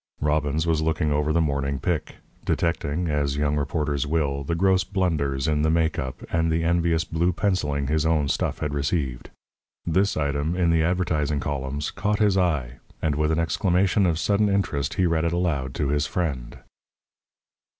Robbins was looking over the morning Pic., detecting, as young reporters will, the gross blunders in the make up, and the envious blue pencilling his own stuff had received. This item, in the advertising columns, caught his eye, and with an exclamation of sudden interest he read it aloud to his friend.